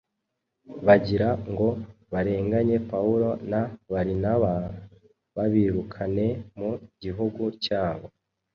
bagira ngo barenganye Pawulo na Barinaba, babirukane mu gihugu cyabo.